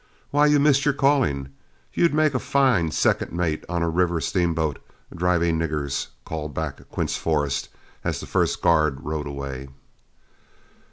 "Why, you've missed your calling you'd make a fine second mate on a river steamboat, driving niggers," called back Quince Forrest, as the first guard rode away.